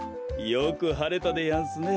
よくはれたでやんすね。